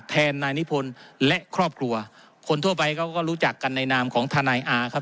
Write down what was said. แทนนายนิพนธ์และครอบครัวคนทั่วไปเขาก็รู้จักกันในนามของทนายอาครับ